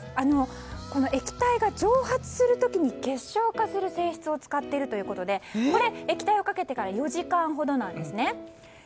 液体が蒸発する時に結晶化する性質を使っているということでこれ、液体をかけてから４時間ほどなんですね。